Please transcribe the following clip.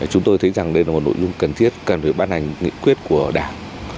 chúng tôi thấy rằng đây là một nội dung cần thiết cần phải ban hành nghị quyết của đảng